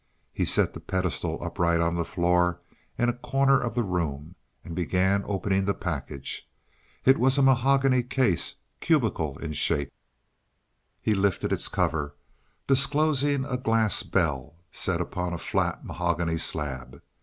He set the pedestal upright on the floor in a corner of the room and began opening the package. It was a mahogany case, cubical in shape. He lifted its cover, disclosing a glass bell set upon a flat, mahogany slab.